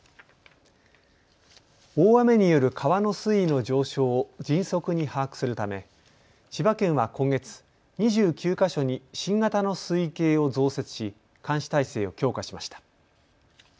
大雨による川の水位の上昇を迅速に把握するため千葉県は今月、２９か所に新型の水位計を増設し監視体制を強化しました。